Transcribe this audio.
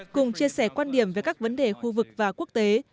cùng chia sẻ quan điểm về các vấn đề khu vực và quốc tế